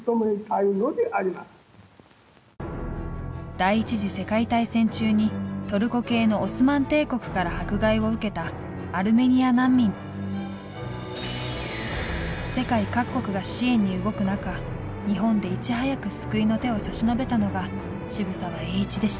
第一次世界大戦中にトルコ系のオスマン帝国から迫害を受けた世界各国が支援に動く中日本でいち早く救いの手を差し伸べたのが渋沢栄一でした。